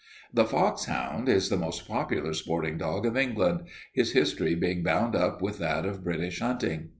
"The foxhound is the most popular sporting dog of England, his history being bound up with that of British hunting.